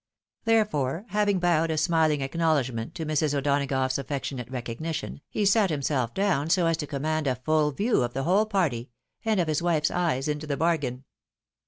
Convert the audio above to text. Therefore, having bowed a smiling acknowledgment to Mrs. O'Donagough's affectionate recognition, he sat himself down so as to command a fuU view of the whole party, and of his wife's eyes into the bargain.